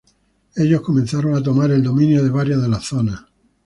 Ellos comenzaron a tomar el dominio de varias de las zonas.